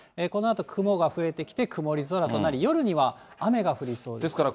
このあと雲が増えてきて、曇り空となり、夜には雨が降りそうです。